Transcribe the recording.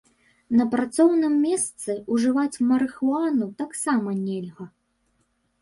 На працоўным месцы ўжываць марыхуану таксама нельга.